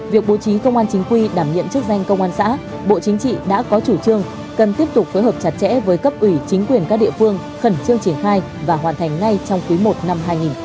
việc bố trí công an chính quy đảm nhiệm chức danh công an xã bộ chính trị đã có chủ trương cần tiếp tục phối hợp chặt chẽ với cấp ủy chính quyền các địa phương khẩn trương triển khai và hoàn thành ngay trong quý i năm hai nghìn hai mươi bốn